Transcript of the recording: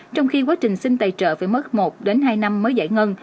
trong khi quá trình xin tài trợ phải mất một đến hai năm mới giải ngân